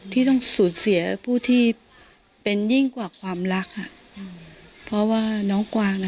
ที่ต้องสูญเสียผู้ที่เป็นยิ่งกว่าความรักเพราะว่าน้องกวางอ่ะ